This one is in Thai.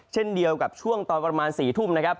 เช่นเดียวกับช่วงตอนประมาณ๔ทุ่มนะครับ